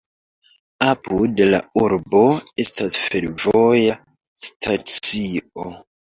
Apud la urbo estas fervoja stacio.